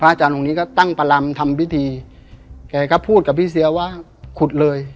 อาจารย์องค์นี้ก็ตั้งประลำทำพิธีแกก็พูดกับพี่เสียว่าขุดเลย